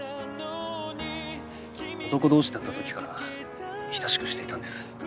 男同士だったときから親しくしていたんです。